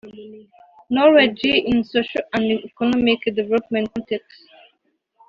Knowledge in social and economic development contexts